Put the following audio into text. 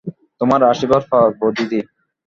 তোমার আশীর্বাদে পারব দিদি।